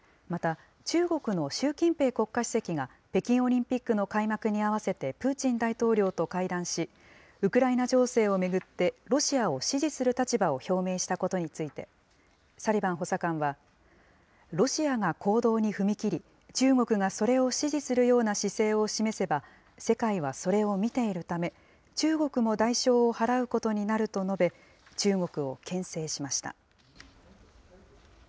また、中国の習近平国家主席が、北京オリンピックの開幕に合わせてプーチン大統領と会談し、ウクライナ情勢を巡ってロシアを支持する立場を表明したことについて、サリバン補佐官は、ロシアが行動に踏み切り、中国がそれを支持するような姿勢を示せば、世界はそれを見ているため、中国も代償を払うことになると述べ、中国をけん制しました。